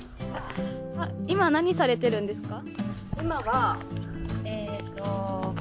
今、何されてるんですか？